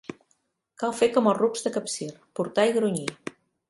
Cal fer com els rucs de Capcir, portar i grunyir.